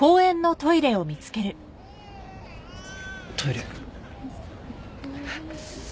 トイレ。